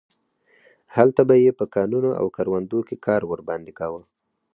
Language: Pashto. هلته به یې په کانونو او کروندو کې کار ورباندې کاوه.